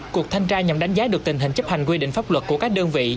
cuộc thanh tra nhằm đánh giá được tình hình chấp hành quy định pháp luật của các đơn vị